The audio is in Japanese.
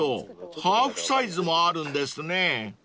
ハーフサイズもあるんですね］